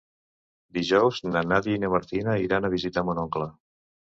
Dijous na Nàdia i na Martina iran a visitar mon oncle.